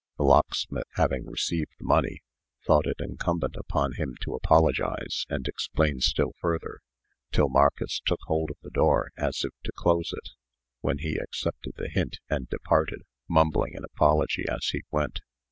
The locksmith, having received the money, thought it incumbent upon him to apologize and explain still further, till Marcus took hold of the door, as if to close it, when he accepted the hint, and departed, mumbling an apology as he went.